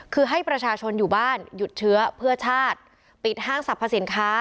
คือให้ประชาชนอยู่บ้านหยุดเชื้อเพื่อชาติปิดห้างสรรพสินค้า